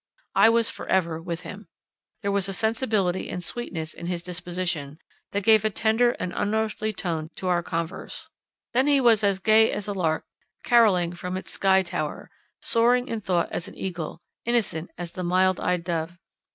I was for ever with him. There was a sensibility and sweetness in his disposition, that gave a tender and unearthly tone to our converse. Then he was gay as a lark carolling from its skiey tower, soaring in thought as an eagle, innocent as the mild eyed dove.